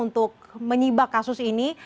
untuk menyebabkan kasus ini